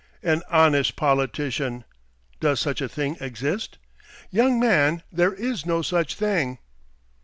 "An honest politician! does such a thing exist? Young man, there is no such thing."